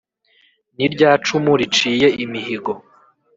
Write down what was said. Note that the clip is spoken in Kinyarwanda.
ni rya cumu riciye imihigo